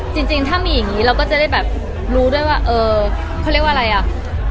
จริงถ้ามีอย่างนี้เราก็จะได้แบบรู้ด้วยว่าเออเขาเรียกว่าอะไรอ่ะ